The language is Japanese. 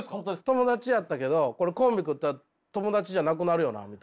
友達やったけどこれコンビ組んだら友達じゃなくなるよなみたいな。